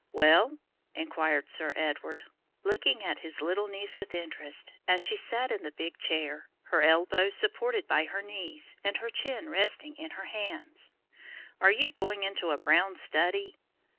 "Well?" inquired Sir Edward, looking at his little niece with interest as she sat in her big chair, her elbows supported by her knees, and her chin resting in her hands, "are you going into a brown study?"